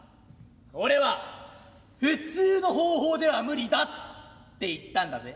俺は普通の方法では無理だって言ったんだぜ？」。